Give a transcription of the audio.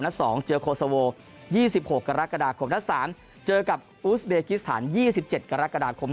๒เจอโคซาโว๒๖กรกฎาคมนัด๓เจอกับอูสเบกิสถาน๒๗กรกฎาคม